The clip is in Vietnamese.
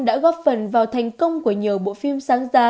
đã góp phần vào thành công của nhiều bộ phim sáng ra